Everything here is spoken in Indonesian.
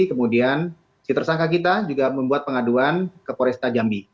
kemudian si tersangka kita juga membuat pengaduan ke poresta jambi